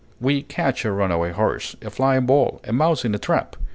We catch a runaway horse, a flying ball, a mouse in a trap.